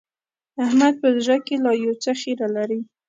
احمد په زړه کې لا يو څه خيره لري.